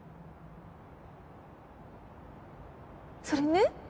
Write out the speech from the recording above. それね